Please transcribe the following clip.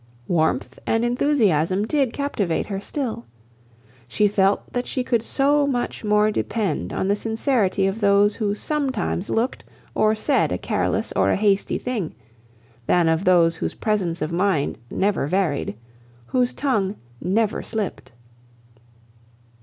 Warmth and enthusiasm did captivate her still. She felt that she could so much more depend upon the sincerity of those who sometimes looked or said a careless or a hasty thing, than of those whose presence of mind never varied, whose tongue never slipped.